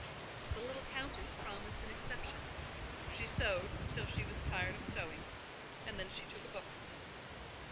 The little Countess promised an exception: she sewed till she was tired of sewing, and then she took a book.